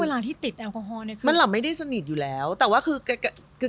เวลาที่ติดเนี้ยมันหลับไม่ได้สนิทอยู่แล้วแต่ว่าคือก็